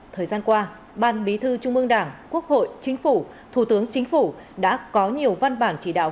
thời gian qua ban bí thư trung ương đảng quốc hội chính phủ thủ tướng chính phủ đã có nhiều văn bản chỉ đạo